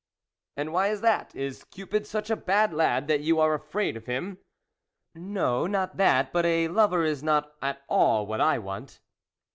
" And why is that ? Is Cupid such a bad lad that you are afraid of him ?"" No, not that, but a lover is not at all what I want."